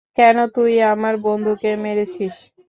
কেন তুই আমার বন্ধুকে মেরেছিস?